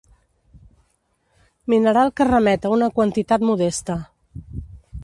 Mineral que remet a una quantitat modesta.